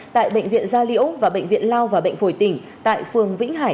tại bệnh viện gia liễu và bệnh viện lao và bệnh phổi tỉnh tại phường vĩnh hải